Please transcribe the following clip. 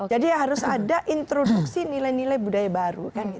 jadi harus ada introduksi nilai nilai budaya baru